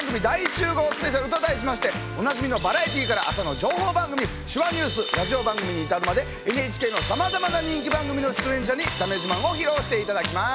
スペシャルと題しましておなじみのバラエティーから朝の情報番組手話ニュースラジオ番組に至るまでＮＨＫのさまざまな人気番組の出演者にだめ自慢を披露していただきます。